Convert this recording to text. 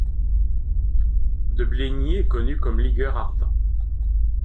De Bleigny est connu comme ligueur ardent.